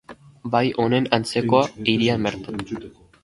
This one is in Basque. Bai, honen antzekoa, hirian bertan.